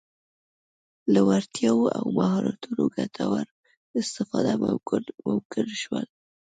له وړتیاوو او مهارتونو ګټوره استفاده ممکن شول.